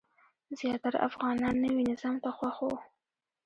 زیاتره افغانان نوي نظام ته خوښ وو.